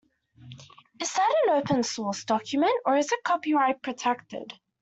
Is that an open source document, or is it copyright-protected?